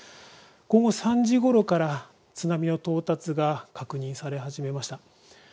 午後３時ごろから津波の到達が確認され始めました。